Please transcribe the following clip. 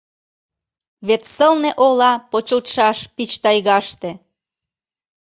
Вет сылне ола Почылтшаш пич тайгаште!